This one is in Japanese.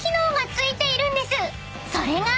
［それが］